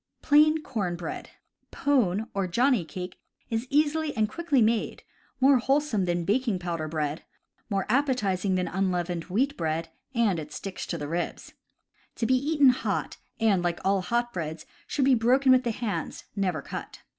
Plain Corn Bread. — ^Pone or johnny cake is easily and quickly made, more wholesome than baking pow der bread, more appetizing than unleavened wheat bread and it "sticks to the ribs." To be eaten hot, and, like all hot breads, should be broken with the hands, never cut.